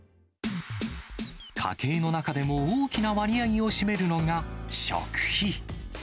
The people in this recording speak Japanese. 家計の中でも大きな割合を占めるのが食費。